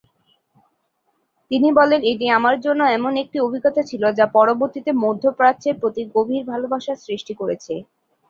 তিনি বলেন, এটি আমার জন্য এমন একটি অভিজ্ঞতা ছিল যা পরবর্তীতে মধ্য প্রাচ্যের প্রতি গভীর ভালবাসা সৃষ্টি করেছে।